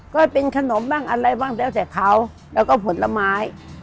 ก็เป็นขนมบ้างอะไรบ้างแล้วแต่เขาแล้วก็ผลไม้